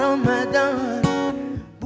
kami akan mencoba